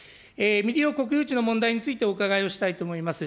未利用国有地の問題についてお伺いをしたいと思います。